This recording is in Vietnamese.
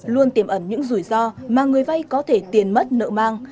luôn tiềm ẩn những rủi ro mà người vay có thể tiền mất nợ mang